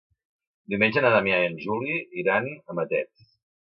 Diumenge na Damià i en Juli iran a Matet.